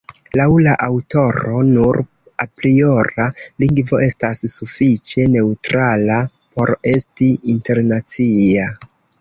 Laŭ la aŭtoro, nur apriora lingvo estas sufiĉe neŭtrala por esti internacia.